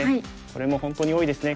これも本当に多いですね。